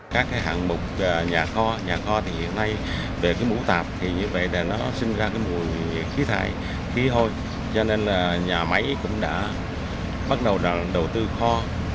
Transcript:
các hạng mục nhà kho nhà kho hiện nay về mũ tạp thì như vậy nó sinh ra mùi khí thải khí hôi cho nên là nhà máy cũng đã bắt đầu đoàn đầu tư kho